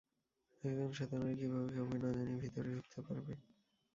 একজন শ্বেত নারী কিভাবে কাউকে না জানিয়ে ভিতরে ঢুকতে পারবে?